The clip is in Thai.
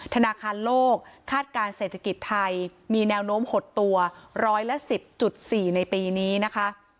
ธนาคารโลกคาดการณ์เศรษฐกิจไทยมีแนวโน้มหดตัวร้อยละ๑๐๔ในปีนี้นะคะ